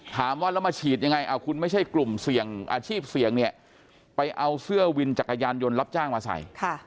ถามว่าแล้วมาฉีดยังไงคุณไม่ใช่กลุ่มเสี่ยงอาชีพเสี่ยงเนี่ยไปเอาเสื้อวินจักรยานยนต์รับจ้างมาใส่